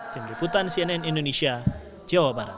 tim liputan cnn indonesia jawa barat